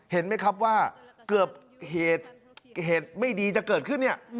เห็นไหมครับว่าเกือบเหตุไม่ดีจะเกิดขึ้นเนี่ย